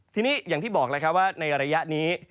ทีนี้อย่างที่บอกแล้วครับว่าในระยะนี้